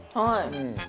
はい。